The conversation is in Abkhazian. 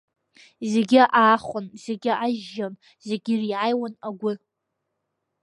Зегьы аахон, зегьы ажьжьон, зегьы ириааиуан агәы.